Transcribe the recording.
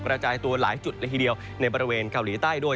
กระจายตัวหลายจุดเลยทีเดียวในบริเวณเกาหลีใต้ด้วย